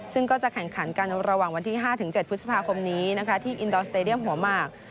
ซึ่งก็จะแข่งขันกันระหว่างวันที่๕๗พฤษภาคมนี้นะคะที่อินดอร์สเตดียมหัวหมาก